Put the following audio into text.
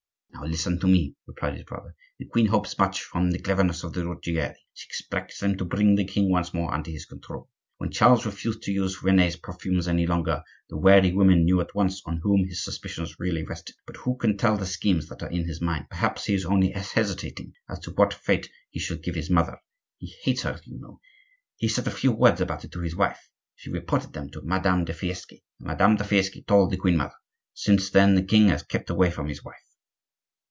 "Now listen to me," replied his brother. "The queen hopes much from the cleverness of the Ruggieri; she expects them to bring the king once more under her control. When Charles refused to use Rene's perfumes any longer the wary woman knew at once on whom his suspicions really rested. But who can tell the schemes that are in his mind? Perhaps he is only hesitating as to what fate he shall give his mother; he hates her, you know. He said a few words about it to his wife; she repeated them to Madame de Fiesque, and Madame de Fiesque told the queen mother. Since then the king has kept away from his wife."